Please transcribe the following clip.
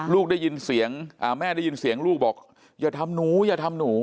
ลูกได้ยินเสียงแม่ได้ยินเสียงลูกบอกอย่าทำหนูอย่าทำหนู